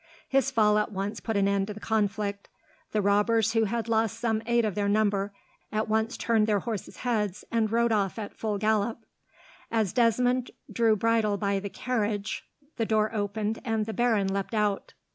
His fall at once put an end to the conflict. The robbers, who had lost some eight of their number, at once turned their horses' heads and rode off at full gallop. As Desmond drew bridle by the carriage, the door opened, and the baron leapt out.